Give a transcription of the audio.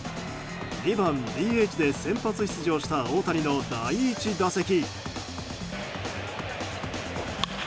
２番ＤＨで先発出場した大谷の第１打席。